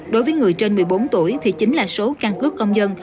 đối với người trên một mươi bốn tuổi thì chính là số căn cước công dân